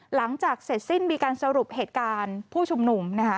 หลังจากเสร็จสิ้นมีการสรุปเหตุการณ์ผู้ชุมนุมนะคะ